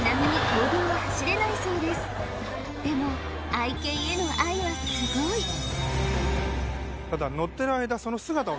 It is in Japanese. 愛犬への愛はすごいただああ